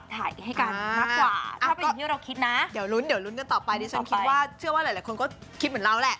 ตอนนี้ฉันคิดว่าเชื่อว่าหลายคนก็คิดเหมือนเราแหละ